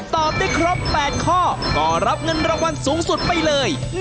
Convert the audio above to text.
ตอบได้ครบ๘ข้อก็รับเงินรางวัลสูงสุดไปเลย